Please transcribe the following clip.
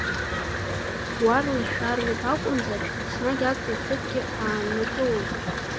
Уарлашәарлоуп акәымзар, еснагь актәи аҭыԥгьы ааннакылон.